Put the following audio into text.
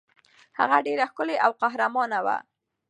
هغه ډېره ښکلې او قهرمانه وه.